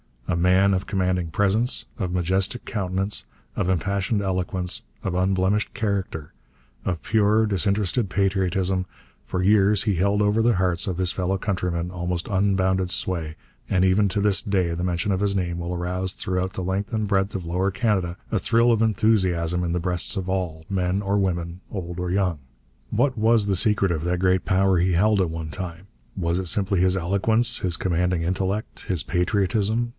A man of commanding presence, of majestic countenance, of impassioned eloquence, of unblemished character, of pure, disinterested patriotism, for years he held over the hearts of his fellow countrymen almost unbounded sway, and even to this day the mention of his name will arouse throughout the length and breadth of Lower Canada a thrill of enthusiasm in the breasts of all, men or women, old or young. What was the secret of that great power he held at one time? Was it simply his eloquence, his commanding intellect, his pure patriotism?